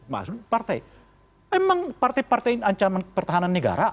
maksud partai emang partai partai ini ancaman pertahanan negara